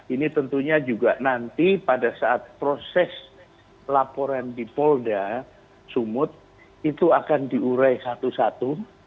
ini tentunya juga nanti pada saat proses laporan di polda sumut itu akan diurai satu satu